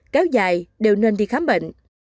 kéo dài đều nên đi khám bệnh